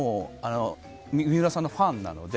水卜さんのファンなので。